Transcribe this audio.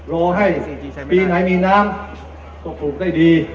โลให้มีไหนมีน้ำก็ปลูกได้ดี